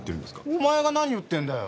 お前が何言ってるんだよ！